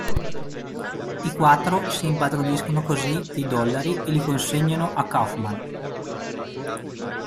I quattro si impadroniscono così dei dollari e li consegnano a Kauffman.